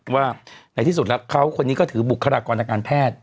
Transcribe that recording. ว่าในที่สุดแล้วเขาคนนี้ก็ถือบุคลากรทางการแพทย์